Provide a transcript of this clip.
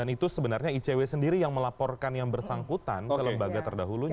itu sebenarnya icw sendiri yang melaporkan yang bersangkutan ke lembaga terdahulunya